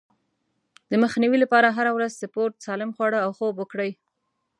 د مخنيوي لپاره هره ورځ سپورت، سالم خواړه او خوب وکړئ.